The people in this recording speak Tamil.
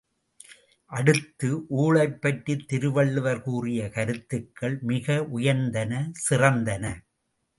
அடுத்து, ஊழைப் பற்றித் திருவள்ளுவர் கூறிய கருத்துக்கள் மிக உயர்ந்தன சிறந்தன.